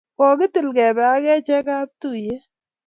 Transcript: Kokitil kebe ak achek kaptuiye.